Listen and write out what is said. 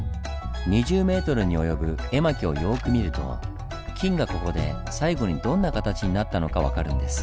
２０ｍに及ぶ絵巻をよく見ると金がここで最後にどんな形になったのか分かるんです。